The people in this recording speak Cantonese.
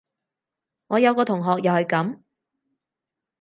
我有個同學又係噉